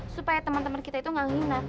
supaya temen temen kita itu gak ngehina